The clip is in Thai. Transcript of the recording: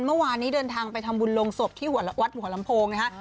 เมื่อวานนี้เดินทางไปทำบุญลงศพที่วัดหัวลำโพงนะฮะ